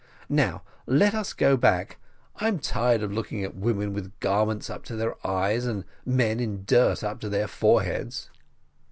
Now let us go back: I'm tired of looking at women in garments up to their eyes, and men in dirt up to their foreheads."